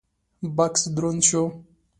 بکس دروند شو: